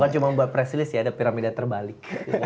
bukan cuma buat presilis ya ada piramida terbalik